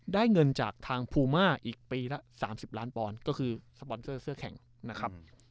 ได้เงินจากทางภูมาอีกปีละ๓๐ล้านปอนด์ก็คือสปอนเซอร์เสื้อแข่งนะครับ